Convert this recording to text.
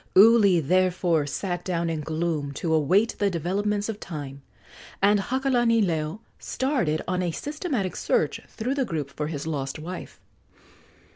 Uli, therefore, sat down in gloom to await the developments of time, and Hakalanileo started on a systematic search through the group for his lost wife.